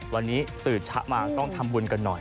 วันนี้ตื่นชะมาต้องทำบุญกันหน่อย